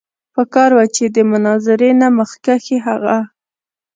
پکار وه چې د مناظرې نه مخکښې هغه